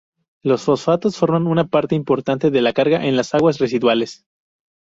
Los fosfatos forman una parte importante de la carga en las aguas residuales.